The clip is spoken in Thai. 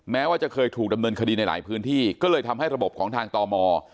แม้ว่าจะเคยถูกดำเนินคดีในหลายพื้นที่ก็เลยทำให้ระบบของทางตม